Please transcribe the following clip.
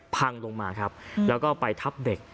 พังลงมาครับแล้วก็ไปทับเด็ก